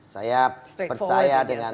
saya percaya dengan